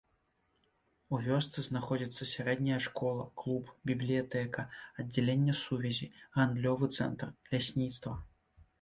У вёсцы знаходзіцца сярэдняя школа, клуб, бібліятэка, аддзяленне сувязі, гандлёвы цэнтр, лясніцтва.